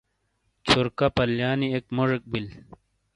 چھورکا پلیانی اک موجیک بل۔